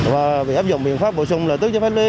và bị áp dụng biện pháp bổ sung là tước giấy phát lý